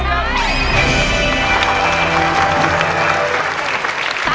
ไม่ใช้